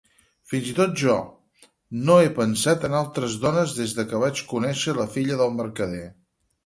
Fins i tot jo; no he pensat en altres dones des que vaig conèixer la filla del mercader.